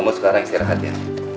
kamu sekarang istirahat ya